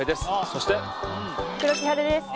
そして黒木華です